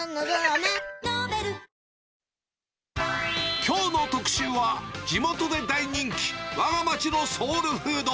きょうの特集は、地元で大人気、わが町のソウルフード。